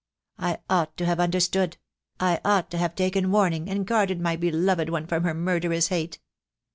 I ought to have understood; I ought to have taken warning, and guarded my beloved one from her murderous hate."